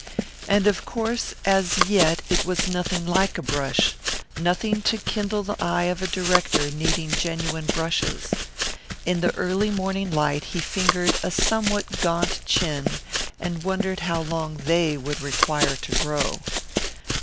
And of course as yet it was nothing like a brush nothing to kindle the eye of a director needing genuine brushes. In the early morning light he fingered a somewhat gaunt chin and wondered how long "they" would require to grow.